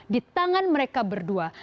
di tangan mereka berdua